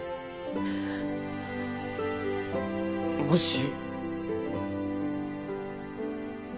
もし。